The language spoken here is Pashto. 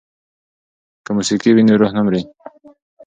که موسیقي وي نو روح نه مري.